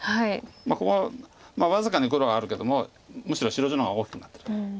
ここ僅かに黒があるけどもむしろ白地の方が大きくなってると。